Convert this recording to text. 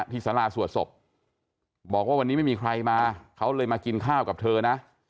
สาราสวดศพบอกว่าวันนี้ไม่มีใครมาเขาเลยมากินข้าวกับเธอนะ